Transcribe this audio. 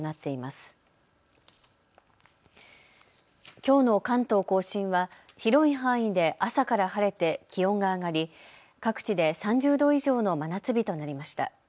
きょうの関東甲信は広い範囲で朝から晴れて気温が上がり各地で３０度以上の真夏日となりました。